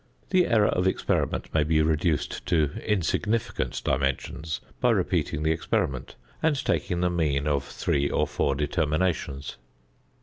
The error of experiment may be reduced to insignificant dimensions by repeating the experiment, and taking the mean of three or four determinations.